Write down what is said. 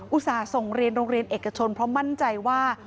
ส่งเรียนโรงเรียนเอกชนเพราะมั่นใจว่า